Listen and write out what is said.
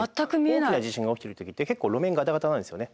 大きな地震が起きてる時って結構路面ガタガタなんですよね。